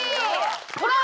ほら！